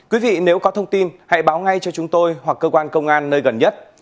quý vị nếu có thông tin hãy báo ngay cho chúng tôi hoặc cơ quan công an nơi gần nhất